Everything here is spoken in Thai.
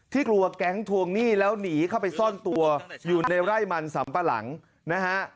กลัวแก๊งทวงหนี้แล้วหนีเข้าไปซ่อนตัวอยู่ในไร่มันสำปะหลังนะฮะ